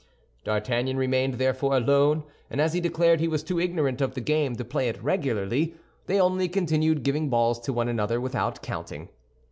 D'Artagnan remained, therefore, alone; and as he declared he was too ignorant of the game to play it regularly they only continued giving balls to one another without counting.